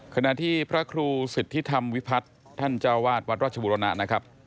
ขณะที่พระครูสิทธิธรรมวิพัฒน์ท่านเจ้าวาดวัดราชบุรณะนะครับ